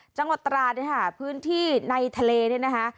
จังหวัดตราดเนี่ยค่ะพื้นที่ในทะเลเนี่ยนะคะ